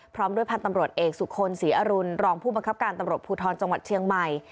พร้อมด้วยพันธ์ตำรวจเอกสุคลศรีอรุณรองผู้บังคับการตำรวจภูทรจังหวัดเชียงใหม่